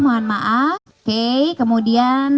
mohon maaf oke kemudian